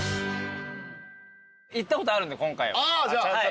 行ったことあるんで今回は。